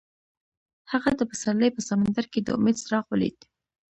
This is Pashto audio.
هغه د پسرلی په سمندر کې د امید څراغ ولید.